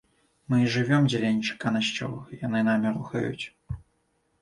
Мы і жывём дзеля нечаканасцяў, яны намі рухаюць.